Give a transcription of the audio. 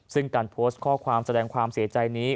ซึ่งการโพสต์ข้อความแสดงความเสียใจนี้